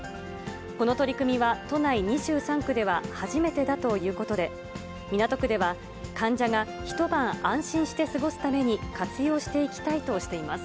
この取り組みは、都内２３区では初めてだということで、港区では、患者が一晩安心して過ごすために活用していきたいとしています。